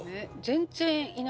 全然いない。